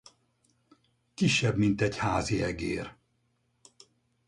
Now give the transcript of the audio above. Kisebb mint egy házi egér.